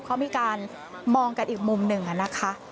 เขามีการมองกันอีกมุมหนึ่งนะคะ